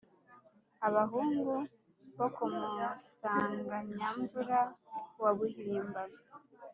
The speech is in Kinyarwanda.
abahungu bo ku musanganyamvura wa buhimba